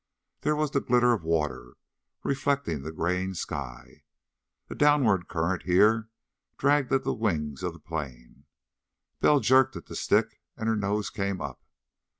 There was the glitter of water, reflecting the graying sky. A downward current here dragged at the wings of the plane. Bell jerked at the stick and her nose came up.